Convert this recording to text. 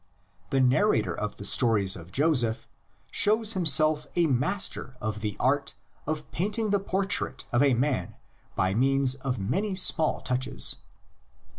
The narrator of the stories of Joseph shows himself a master of the art of painting the portrait of a man by means of many small touches.